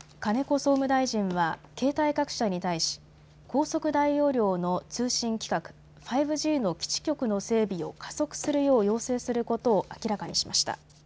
総務大臣は携帯各社に対し高速・大容量の通信規格、５Ｇの基地局の整備を加速するよう要請することを明らかにしました。